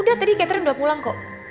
nanti dia kepo terus langsung sampai rimu